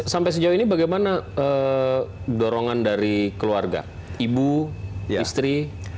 sampai sejauh ini bagaimana dorongan dari keluarga ibu istri